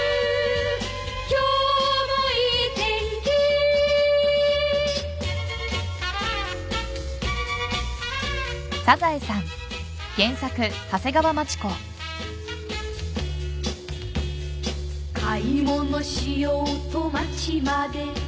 「今日もいい天気」「買い物しようと街まで」